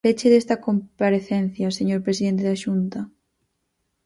Peche desta comparecencia, señor presidente da Xunta.